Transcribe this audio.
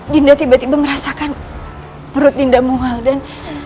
dinda tiba tiba merasakan perut dinda muhal dan